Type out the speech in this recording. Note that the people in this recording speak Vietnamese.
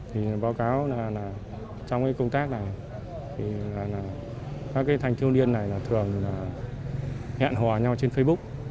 thì báo cáo là trong công tác này các thành thiêu niên này thường hẹn hòa nhau trên facebook